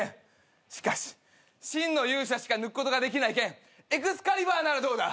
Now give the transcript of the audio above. しかし真の勇者しか抜くことができない剣エクスカリバーならどうだ？